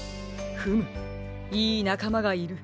フムいいなかまがいる。